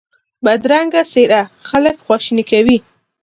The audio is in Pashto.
بدرنګه څېره خلک خواشیني کوي